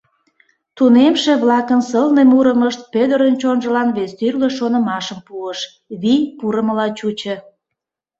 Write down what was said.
Тунемше-влакын сылне мурымышт Пӧдырын чонжылан вес тӱрлӧ шонымашым пуыш, вий пурымыла чучо...